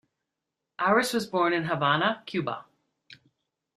Aris was born in Havana, Cuba.